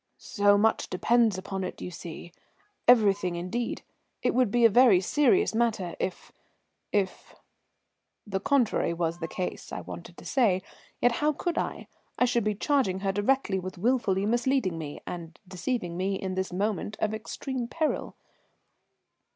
"So much depends upon it, you see. Everything indeed. It would be a very serious matter if if " "The contrary was the case," I wanted to say, yet how could I? I should be charging her directly with wilfully misleading me, and deceiving me in this moment of extreme peril.